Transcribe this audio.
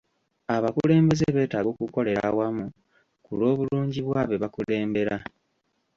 Abakulembeze beetaaga okukolera awamu ku lw'obulungi bwa be bakulembera.